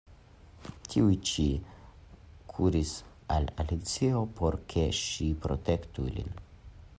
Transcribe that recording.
Tiuj ĉi kuris al Alicio por ke ŝi protektu ilin.